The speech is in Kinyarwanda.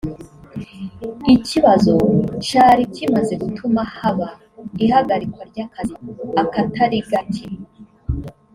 ikibazo cari kimaze gutuma haba ihagarikwa ry’akazi akatari gake